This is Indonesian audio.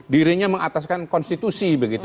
dirinya mengataskan konstitusi begitu